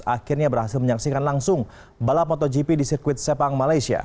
akhirnya berhasil menyaksikan langsung balap motogp di sirkuit sepang malaysia